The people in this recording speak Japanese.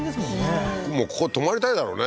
うんもうここ泊まりたいだろうね